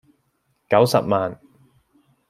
九十萬